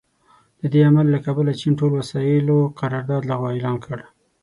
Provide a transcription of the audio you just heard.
د دې عمل له کبله چین ټول وسايلو قرارداد لغوه اعلان کړ.